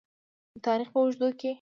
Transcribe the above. د تاریخ په اوږدو کې.